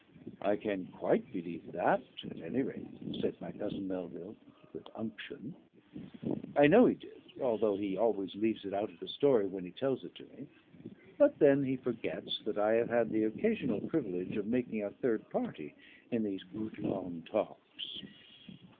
"I can quite believe that, at any rate," said my cousin Melville with unction. I know he did, although he always leaves it out of the story when he tells it to me. But then he forgets that I have had the occasional privilege of making a third party in these good long talks.